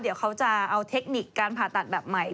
เดี๋ยวเขาจะเอาเทคนิคการผ่าตัดแบบใหม่